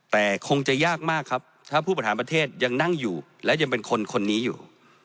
แต่คงจะยากมากครับถ้าผู้บริหารประเทศยังนั่งอยู่และยังเป็นคนคนนี้อยู่